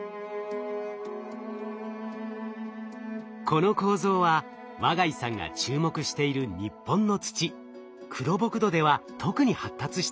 この構造は和穎さんが注目している日本の土黒ボク土では特に発達しています。